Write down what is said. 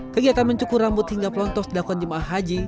kegiatan mencukur rambut hingga pelontos dakon jemaah haji